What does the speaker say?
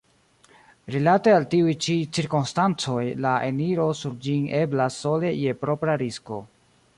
Rilate al tiuj ĉi cirkonstancoj la eniro sur ĝin eblas sole je propra risko.